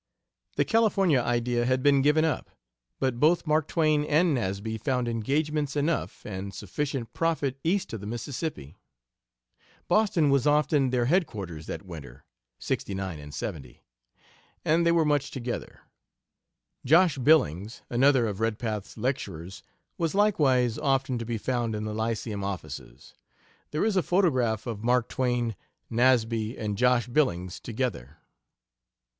The California idea had been given up, but both Mark Twain and Nasby found engagements enough, and sufficient profit east of the Mississippi. Boston was often their headquarters that winter ['69 and '70), and they were much together. "Josh Billings," another of Redpath's lecturers, was likewise often to be found in the Lyceum offices. There is a photograph of Mark Twain, Nasby, and Josh Billings together.